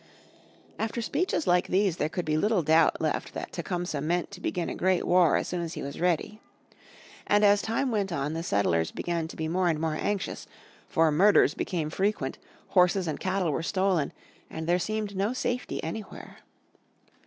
After speeches like these there could be little doubt left that Tecumseh meant to begin a great war as soon as he was ready. And as time went on the settlers began to be more and more anxious, for murders became frequent, horses and cattle were stolen, and there seemed no safety anywhere.